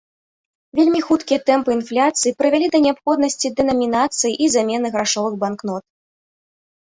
Вельмі хуткія тэмпы інфляцыі прывялі да неабходнасці дэнамінацыі і замены грашовых банкнот.